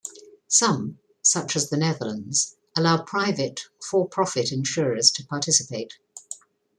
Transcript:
Some, such as the Netherlands, allow private for-profit insurers to participate.